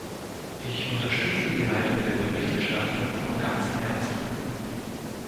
Ich unterstütze die Haltung der Berichterstatterin von ganzem Herzen.